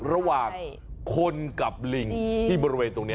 ระหว่างคนกับลิงที่บริเวณตรงนี้